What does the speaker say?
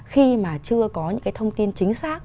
khi mà chưa có những cái thông tin chính xác